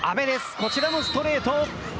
こちらもストレート。